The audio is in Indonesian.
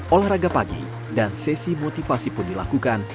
olahraga pagi dan sesi motivasi pun dilakukan